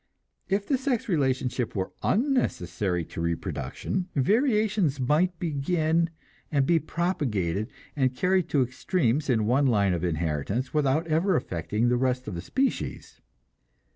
If the sex relationship were unnecessary to reproduction, variations might begin, and be propagated and carried to extremes in one line of inheritance, without ever affecting the rest of the species.